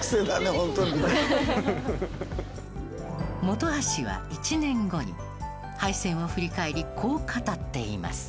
本橋は１年後に敗戦を振り返りこう語っています。